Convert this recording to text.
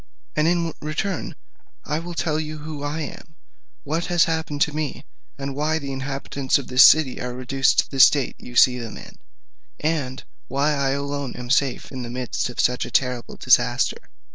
And, in return, I will you who I am, what has happened to me, why the inhabitants of this city are reduced to the state you see them in, and why I alone am safe in the midst of such a terrible disaster."